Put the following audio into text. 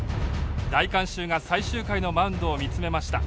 大観衆が最終回のマウンドを見つめました。